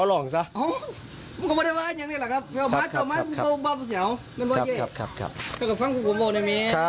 ขอลองกันออกจากพื้นที่พร้อมไปซะ